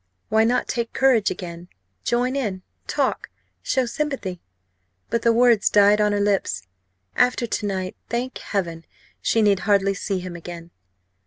Why not take courage again join in talk show sympathy? But the words died on her lips. After to night thank heaven! she need hardly see him again.